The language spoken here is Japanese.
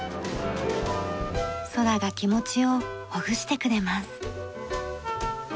ソラが気持ちをほぐしてくれます。